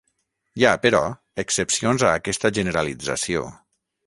Hi ha, però, excepcions a aquesta generalització.